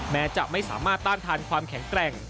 แม้จะไม่สามารถต้านทานความแข็งแกร่ง